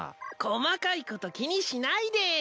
細かいこと気にしないで。